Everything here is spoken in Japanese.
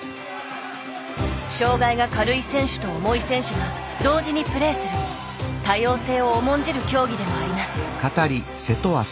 障がいが軽い選手と重い選手が同時にプレーする多様性を重んじる競技でもあります。